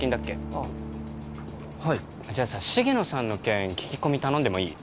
あっはいじゃあさ重野さんの件聞き込み頼んでもいい？